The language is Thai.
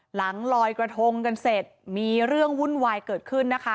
หลังลอยกระทงกันเสร็จมีเรื่องวุ่นวายเกิดขึ้นนะคะ